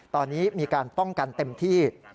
ตอนนี้มีการป้องกันเต็มที่